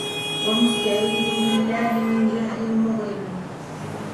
وَمُسْتَعِيذٍ بِاَللَّهِ مِنْ جَهْلٍ مُغْرِبٍ